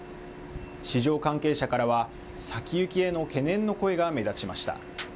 市場関係者からは先行きへの懸念の声が目立ちました。